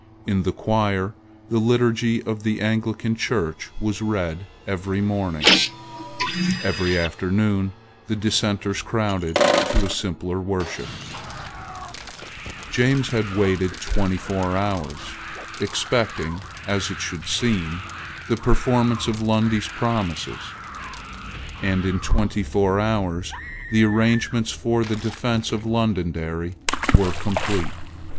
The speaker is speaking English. In the choir the liturgy of the Anglican Church was read every morning. Every afternoon the Dissenters crowded to a simpler worship, James had waited twenty four hours, expecting, as it should seem, the performance of Lundy's promises; and in twenty four hours the arrangements for the defence of Londonderry were complete.